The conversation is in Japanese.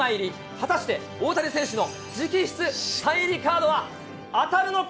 果たして大谷選手の直筆サイン入りカードは当たるのか？